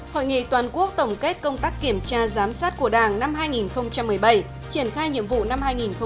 hội nghị toàn quốc tổng kết công tác kiểm tra giám sát của đảng năm hai nghìn một mươi bảy triển khai nhiệm vụ năm hai nghìn một mươi chín